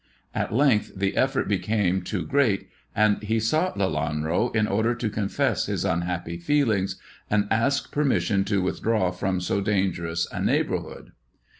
At length the effort became too great, and he sought Lelanro in order to confess his unhappy feelings, and ask permission to withdraw from so dangerous a neighbourhood.